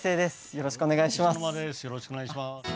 よろしくお願いします。